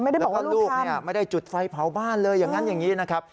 บอกว่าลูกไม่ได้จุดไฟเผาบ้านเลยอย่างนั้นอย่างนี้นะครับ